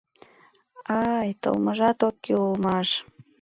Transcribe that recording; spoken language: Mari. А-ай, толмыжат ок кӱл улмаш.